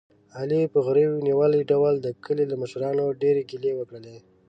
علي په غرېو نیولي ډول د کلي له مشرانو ډېرې ګیلې وکړلې.